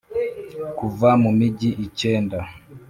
kuva mu migi icyenda